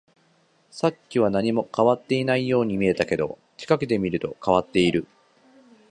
さっきは何も変わっていないように見えたけど、近くで見ると変わっている